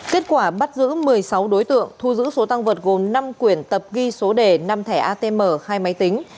kết quả bắt giữ một mươi sáu đối tượng thu giữ số tăng vật gồm năm quyển tập ghi số đề năm thẻ atm hai máy tính